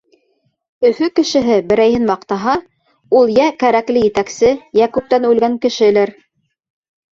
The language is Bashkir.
Өфө кешеһе берәйһен маҡтаһа, ул йә кәрәкле етәксе, йә күптән үлгән кешелер.